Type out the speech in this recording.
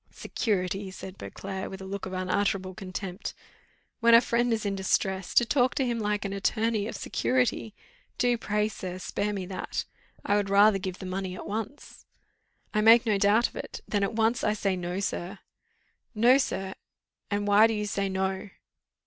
"Security!" said Beauclerc, with a look of unutterable contempt. "When a friend is in distress, to talk to him like an attorney, of security! Do, pray, sir, spare me that. I would rather give the money at once." "I make no doubt of it; then at once I say No, sir." "No, sir! and why do you say no?"